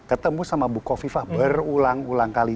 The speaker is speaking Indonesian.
ketemu sama bukoviva berulang ulang kali